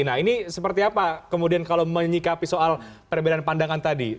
nah ini seperti apa kemudian kalau menyikapi soal perbedaan pandangan tadi